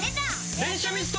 連射ミスト！